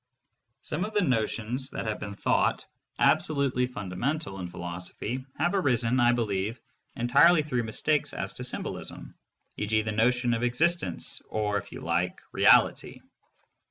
Some of the notions that have been thought absolutely fundamental in philos ophy have arisen, I believe, entirely through mistakes as to symbolism — e. g., the notion of existence, or, if you like, reality.